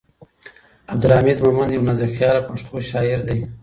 عبدالحمید مومند یو نازکخیاله پښتو شاعر دی.